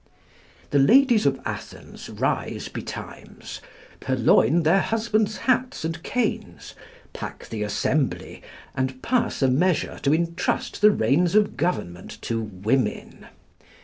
The ladies of Athens rise betimes, purloin their husbands' hats and canes, pack the Assembly, and pass a measure to intrust the reins of government to women.